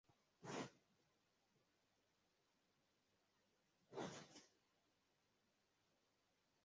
pili mwaka elfu moja mia tisa kumi na saba yakamfukuza Tsar aliyejiuzuluVita vikaendelea